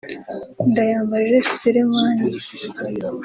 Ndayambaje Selemani